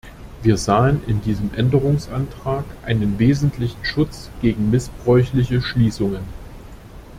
Wir sahen in diesem Änderungsantrag einen wesentlichen Schutz gegen missbräuchliche Schließungen.